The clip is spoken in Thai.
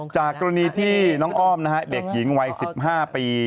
จากกรณีที่น้องอ้อมนะฮะเด็กหญิงวัย๑๕ปี